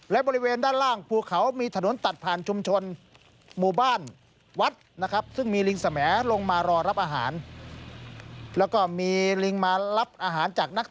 และบริเวณด้านล่างภูเขามีถนนตัดผ่านชุมชน